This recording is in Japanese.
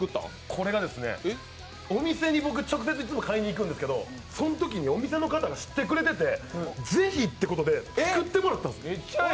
これがですね、お店に僕直接いつも買いに行くんですけどそんときにお店の方が知ってくれててぜひってことで、作ってもらったんです。